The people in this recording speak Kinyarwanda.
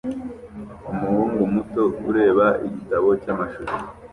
Umuhungu muto ureba igitabo cyamashusho